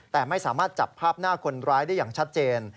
แต่ไม่สามารถจับภาพหน้าคนร้ายได้อย่างชัดเจน